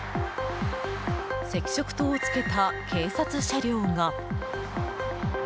赤色灯をつけた警察車両が。